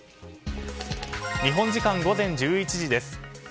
日本時間午前１１時です。